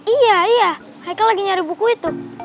iya iya michael lagi nyari buku itu